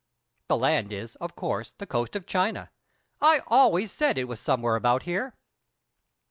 The land is, of course, the coast of China. I always said it was somewhere about here.